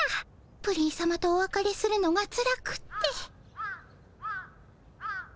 プリンさまとおわかれするのがつらくって。